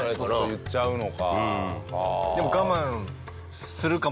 言っちゃうのか。